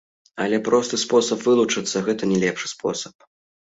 Але просты спосаб вылучыцца, гэта не лепшы спосаб.